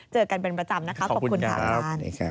เจอกันเป็นประจำนะครับขอบคุณครับ